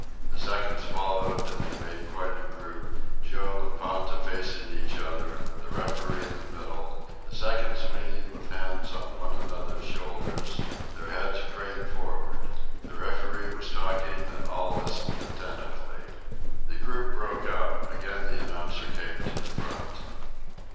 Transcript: The seconds followed, and they made quite a group, Joe and Ponta facing each other, the referee in the middle, the seconds leaning with hands on one another's shoulders, their heads craned forward. The referee was talking, and all listened attentively. The group broke up. Again the announcer came to the front.